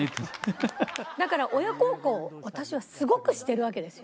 だから親孝行私はすごくしてるわけですよ。